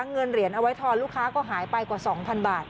เงินเหรียญเอาไว้ทอนลูกค้าก็หายไปกว่า๒๐๐บาท